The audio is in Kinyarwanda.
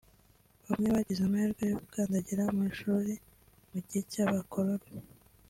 Bamwe bagize amahirwe yo gukandagira mu ishuri mu gihe cy’Abakoloni